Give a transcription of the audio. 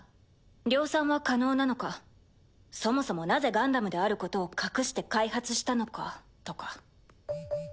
量産は可能なのかそもそもなぜガンダムであることを隠して開発したのかとか。